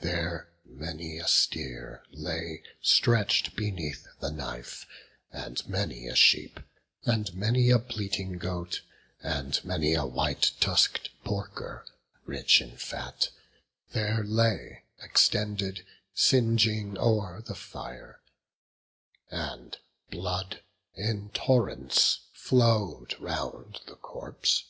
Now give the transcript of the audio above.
There many a steer lay stretch'd beneath the knife, And many a sheep, and many a bleating goat, And many a white tusk'd porker, rich in fat, There lay extended, singeing o'er the fire; And blood, in torrents, flow'd around the corpse.